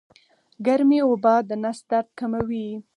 ګرمې اوبه د نس درد کموي